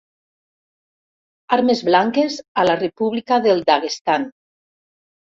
Armes blanques a la República del Daguestan.